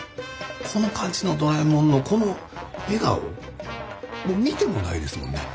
この感じのドラえもんのこの笑顔見てもないですもんね。